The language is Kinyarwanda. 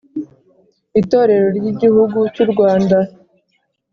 itorero ry’igihugu cy’ u rwanda